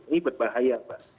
ini berbahaya mbak